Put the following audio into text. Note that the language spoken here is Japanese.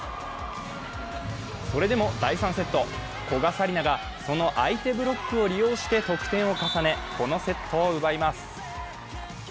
それでも第３セット、古賀紗理那がその相手ブロックを利用して得点を重ね、このセットを奪います。